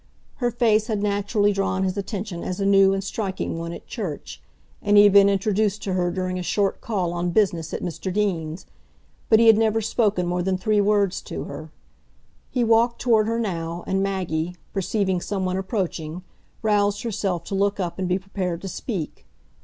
Her face had naturally drawn his attention as a new and striking one at church, and he had been introduced to her during a short call on business at Mr Deane's, but he had never spoken more than three words to her. He walked toward her now, and Maggie, perceiving some one approaching, roused herself to look up and be prepared to speak.